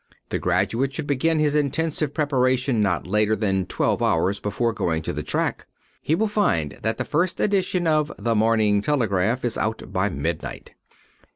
The graduate should begin his intensive preparation not later than twelve hours before going to the track. He will find that the first edition of The Morning Telegraph is out by midnight.